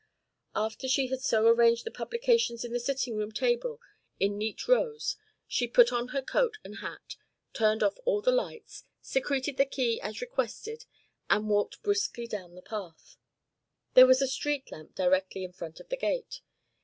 After she had also arranged the publications on the sitting room table in neat rows she put on her coat and hat, turned off all the lights, secreted the key as requested and walked briskly down the path. There was a street lamp directly in front of the gate.